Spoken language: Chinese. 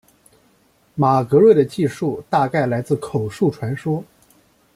马格瑞的记述大概来自口述传说。